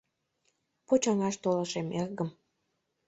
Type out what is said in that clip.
Почаҥаш толашем, эргым...